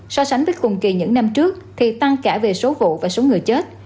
so sánh với cùng kỳ những năm trước thì tăng cả về số vụ và số người chết